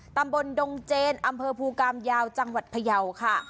ตำบลดงเจนอำเภอภูกามยาวจังหวัดพยาวค่ะ